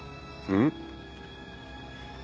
うん。